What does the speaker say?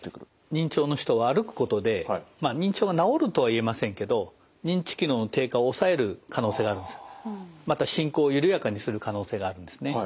認知症の人は歩くことで認知症が治るとは言えませんけどまた進行を緩やかにする可能性があるんですね。